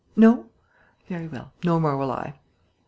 No? Very well, no more will I."